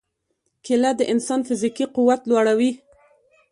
کېله د انسان فزیکي قوت لوړوي.